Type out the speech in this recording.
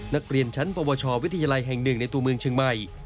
นักเรียนชั้นปวชวิทยาลัยแห่งหนึ่งในตัวเมืองเชียงใหม่